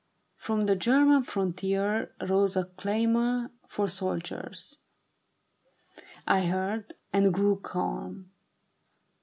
From the German frontier Rose a clamor for soldiers. I heard, and grew calm.